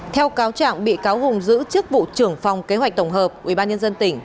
theo cáo trạng bị cáo hùng giữ chức vụ trưởng phòng kế hoạch tổng hợp ubnd tỉnh